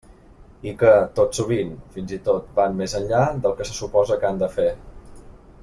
I que, tot sovint, fins i tot van més enllà del que se suposa que han de fer.